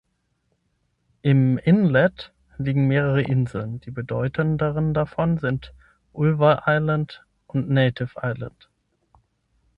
Im Inlet liegen mehrere Inseln, die bedeutenderen davon sind Ulva Island und Native Island.